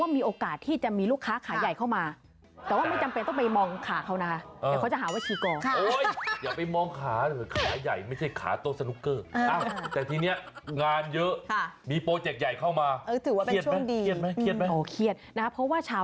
ไม่ได้ทำเหมือนก๋วยเตี๋ยว